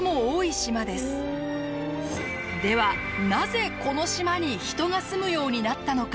ではなぜこの島に人が住むようになったのか。